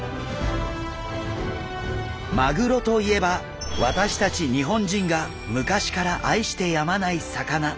マグロといえば私たち日本人が昔から愛してやまない魚。